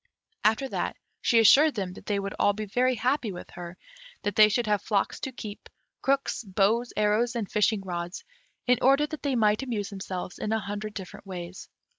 After that, she assured them that they would be all very happy with her; that they should have flocks to keep, crooks, bows, arrows, and fishing rods, in order that they might amuse themselves in a hundred different ways.